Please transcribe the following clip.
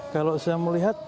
kalau saya melihat